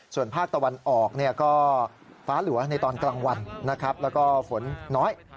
ส่วนภาคตะวันออกก็ฟ้าหลัวในตอนกลางวันนะครับแล้วก็ฝนน้อย